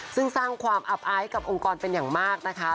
ซึ่งสร้างความอับอายกับองค์กรเป็นอย่างมากนะคะ